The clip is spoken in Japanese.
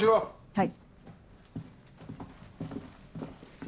はい。